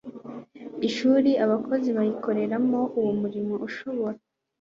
ishuri abakozi bayikoreramo Uwo murimo ushobora